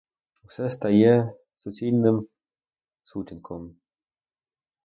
Усе стає суцільним сутінком.